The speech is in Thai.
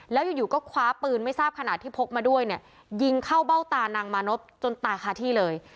แล้วอยู่ก็คว้าปืนไม่ทราบขนาดที่พกมาด้วยเนี่ยยิงเข้าเบ้าตานางมานพจนตายคาที่เลย